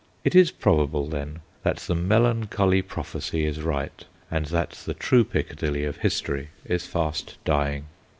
It is probable, then, that the melancholy prophecy is right, and that the true Piccadilly of history is fast dying.